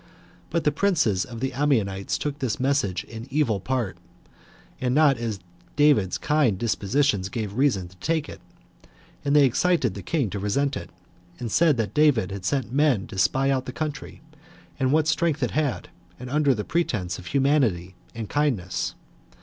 But the princes of the Ammonites took this message in evil part, and not as David's kind dispositions gave reason to take it; and they excited the king to resent it; and said that David had sent men to spy out the country, and what strength it had, under the pretense of humanity and kindness.